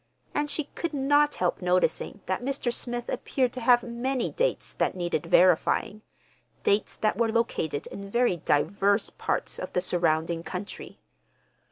And she could not help noticing that Mr. Smith appeared to have many dates that needed verifying—dates that were located in very diverse parts of the surrounding country.